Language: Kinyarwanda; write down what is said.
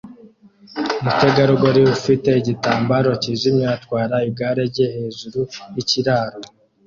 Umutegarugori ufite igitambaro cyijimye atwara igare rye hejuru yikiraro